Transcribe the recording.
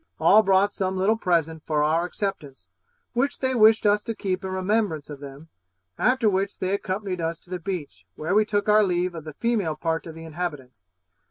All brought some little present for our acceptance, which they wished us to keep in remembrance of them; after which they accompanied us to the beach, where we took our leave of the female part of the inhabitants.